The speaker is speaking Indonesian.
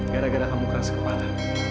gara gara kamu keras kemana